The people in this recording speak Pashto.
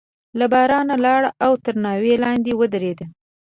له بارانه لاړ او تر ناوې لاندې ودرېد.